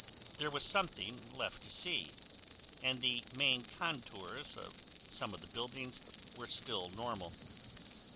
There was something left to see, and the main contours of some of the buildings were still normal.